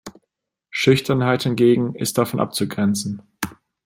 Schüchternheit hingegen ist davon abzugrenzen.